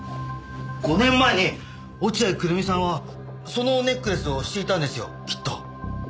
５年前に落合久瑠実さんはそのネックレスをしていたんですよきっと。